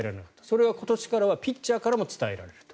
それが今年からはピッチャーからも伝えられる。